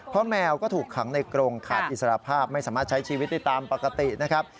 เพราะแมวก็ถูกขังในกรงขาดอิสรภาพไม่สามารถใช้ชีวิตได้ตามปกตินะครับ